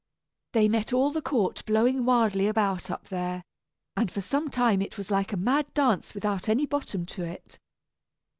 They met all the court blowing wildly about up there, and for some time it was like a mad dance without any bottom to it.